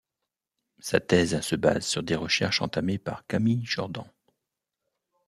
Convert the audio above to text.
Sa thèse se base sur des recherches entamées par Camille Jordan.